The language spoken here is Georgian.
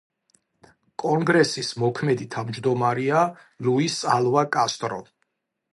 კონგრესის მოქმედი თავჯდომარეა ლუის ალვა კასტრო.